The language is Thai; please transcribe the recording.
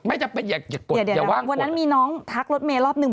เดี๋ยวอ่ะวันนั้นมีน้องทักลดเมย์รอบนึง